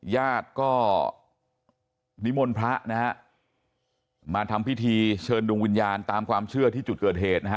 ญาติก็นิมนต์พระนะฮะมาทำพิธีเชิญดวงวิญญาณตามความเชื่อที่จุดเกิดเหตุนะฮะ